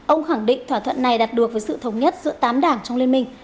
ông khẳng định thỏa thuận này đạt được với sự thống nhất giữa tám đảng trong liên minh